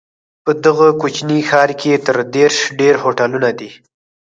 په دغه کوچني ښار کې تر دېرش ډېر هوټلونه دي.